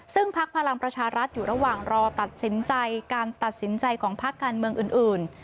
ซึ่งพักพลังประชารัฐอยู่ระหว่างรอตัดสินใจการตัดสินใจของพักการเมืองอื่น